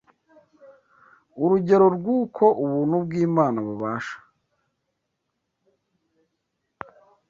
urugero rw’uko ubuntu bw’Imana bubasha